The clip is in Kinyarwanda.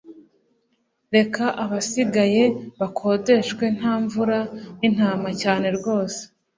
Reka abasigaye bakodeshwe nta mvura n'intama cyane rwose